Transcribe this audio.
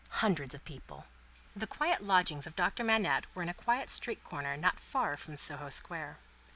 Hundreds of People The quiet lodgings of Doctor Manette were in a quiet street corner not far from Soho square.